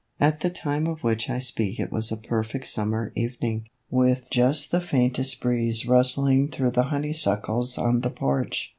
At the time of which I speak it was a perfect summer evening, with just the faintest breeze rus tling through the honeysuckles on the porch.